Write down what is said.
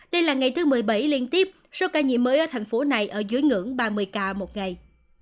đây là ngày thứ một mươi bảy liên tiếp số ca nhiễm mới ở thành phố này ở dưới ngưỡng ba mươi ca một ngày